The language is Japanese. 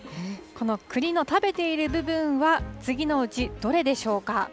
このくりの食べている部分は、次のうち、どれでしょうか。